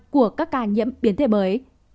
của các ca nhiễm biến thể mới